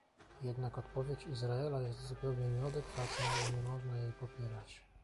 Jednak odpowiedź Izraela jest zupełnie nieadekwatna i nie można jej popierać